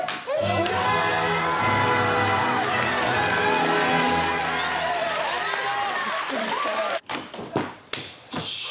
おめでとう！